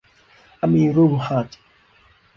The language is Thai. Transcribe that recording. อะมีรุ้ลฮัจย์